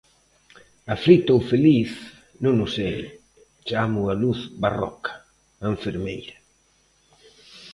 Aflito ou feliz, non o sei, chamo a Luz Barroca, a enfermeira.